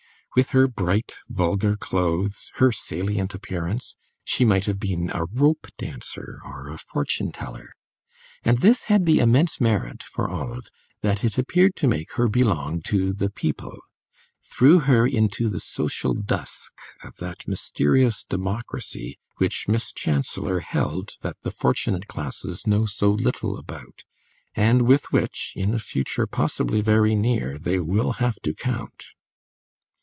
With her bright, vulgar clothes, her salient appearance, she might have been a rope dancer or a fortune teller; and this had the immense merit, for Olive, that it appeared to make her belong to the "people," threw her into the social dusk of that mysterious democracy which Miss Chancellor held that the fortunate classes know so little about, and with which (in a future possibly very near) they will have to count.